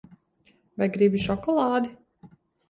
Vai gribi šokolādi?